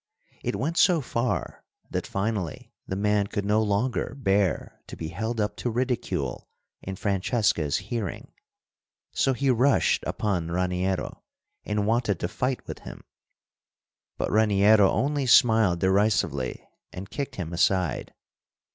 It went so far that finally the man could no longer bear to be held up to ridicule in Francesca's hearing, so he rushed upon Raniero and wanted to fight with him. But Raniero only smiled derisively and kicked him aside.